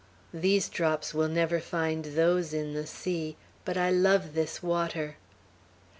These drops will never find those in the sea; but I love this water!"